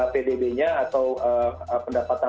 pdb nya atau pendapatan